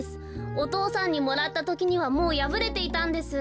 お父さんにもらったときにはもうやぶれていたんです。